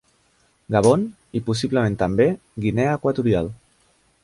Gabon i, possiblement també, Guinea Equatorial.